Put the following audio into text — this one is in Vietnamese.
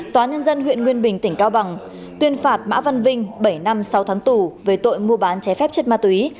tòa nhân dân huyện nguyên bình tỉnh cao bằng tuyên phạt mã văn vinh bảy năm sáu tháng tù về tội mua bán trái phép chất ma túy